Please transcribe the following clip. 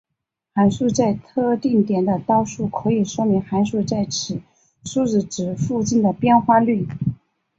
函数在特定点的导数可以说明函数在此输入值附近的变化率。